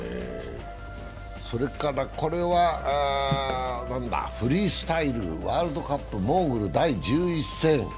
それから、これはフリースタイル・ワールドカップモーグル第１１戦。